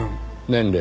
年齢。